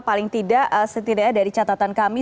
paling tidak setidaknya dari catatan kami